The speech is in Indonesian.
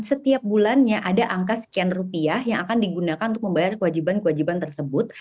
setiap bulannya ada angka sekian rupiah yang akan digunakan untuk membayar kewajiban kewajiban tersebut